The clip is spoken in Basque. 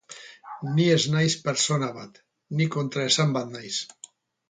Ni ez naiz pertsona bat, ni kontraesan bat naiz.